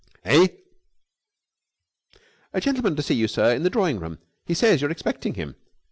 "Eh?" "A gentleman to see you, sir. In the drawing room. He says you are expecting him."